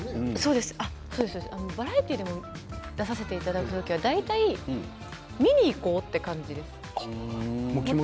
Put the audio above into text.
バラエティーに出させていただく時は大体、見に行こうっていう感じです。